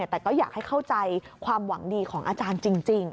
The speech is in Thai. แต่ก็อยากให้เข้าใจความหวังดีของอาจารย์จริง